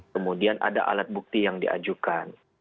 kemudian ada alat bukti yang diajukan